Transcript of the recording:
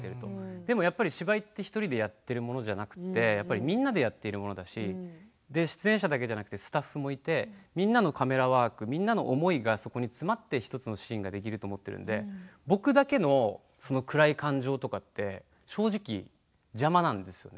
でも芝居は１人でやっているものではなくてみんなでやっているものだし出演者だけじゃなくスタッフもいてみんなのカメラワークみんなの思いが詰まって１つのシーンができると思っているので僕だけの暗い感情って正直、邪魔なんですよね。